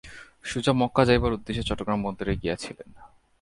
সুজা Mecca যাইবার উদ্দেশে চট্টগ্রাম বন্দরে গিয়াছিলেন।